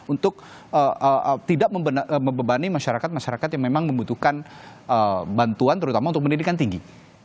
untuk tidak membebani masyarakat masyarakat yang memang membutuhkan bantuan terutama untuk pendidikan tinggi